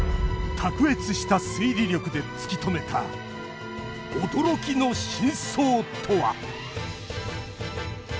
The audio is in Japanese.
卓越した推理力で突き止めた驚きの真相とは？